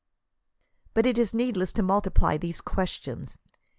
But it is needless to multiply these questions.